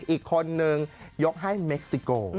อีกคนนึงยกให้เม็กซิโก